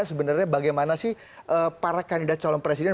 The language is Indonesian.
sebenarnya bagaimana sih para kandidat calon presiden